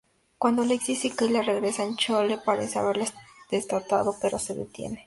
Cuando Alexis y Kayla regresan, Chloe parece haberla desatado pero se detiene.